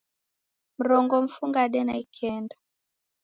Mrongo mfungade na ikenda